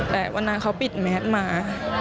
แต่วันนั้นเขาปิดแมสมา